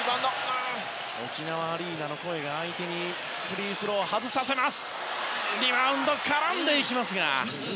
沖縄アリーナの声が相手にフリースローを外させます。